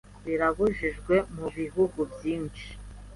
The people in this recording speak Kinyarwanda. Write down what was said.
Birabujijwe mu bihugu byinshi.